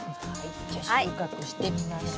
じゃあ収穫してみましょう。